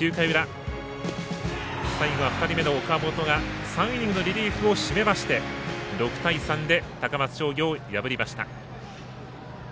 ９回の裏、最後は２人目の岡本が３イニングのリリーフを締めまして６対３で高松商業、破りました。